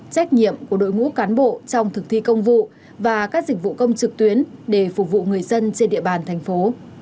trách nhiệm của đội ngũ cán bộ trong thực thi công vụ và các dịch vụ công trực tuyến để phục vụ người dân trên địa bàn thành phố